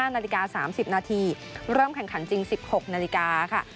นาฬิกา๓๐นาทีเริ่มแข่งขันจริง๑๖นาฬิกาค่ะ